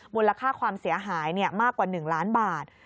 มูลค่าความเสียหายมากกว่า๑ล้านบาท